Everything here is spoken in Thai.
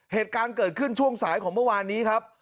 เหตุการณ์เกิดขึ้นช่วงสายของเมื่อวานนี้ครับ